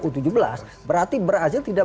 u tujuh belas berarti brazil tidak